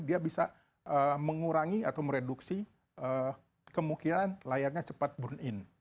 dia bisa mengurangi atau mereduksi kemungkinan layaknya cepat burn in